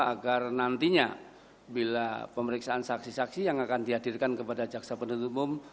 agar nantinya bila pemeriksaan saksi saksi yang akan dihadirkan kepada jaksa penuntut umum